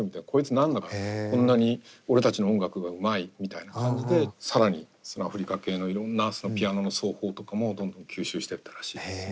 こいつ何だこんなに俺たちの音楽がうまいみたいな感じで更にアフリカ系のいろんなピアノの奏法とかもどんどん吸収してったらしいですね。